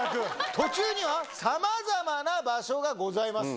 途中にはさまざまな場所がございます。